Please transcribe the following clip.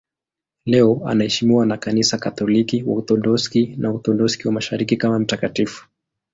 Leo anaheshimiwa na Kanisa Katoliki, Waorthodoksi na Waorthodoksi wa Mashariki kama mtakatifu.